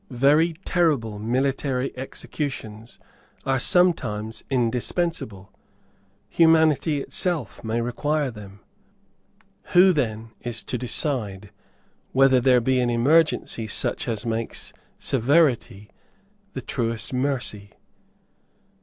Very terrible military executions are sometimes indispensable. Humanity itself may require them. Who then is to decide whether there be an emergency such as makes severity the truest mercy?